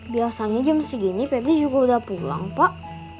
biasanya jam segini pebi juga sudah pulang pak